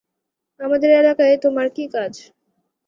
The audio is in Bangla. আমাদের এলাকায় তোমার কী কাজ?